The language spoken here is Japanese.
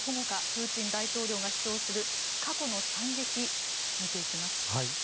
プーチン大統領が主張する過去の惨劇を見ていきます。